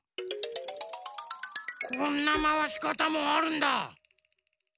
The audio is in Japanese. こんなまわしかたもあるんだ。